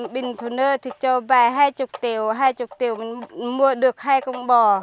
bình phụ nữ thì cho vay hai mươi triệu hai mươi triệu mình mua được hai con bò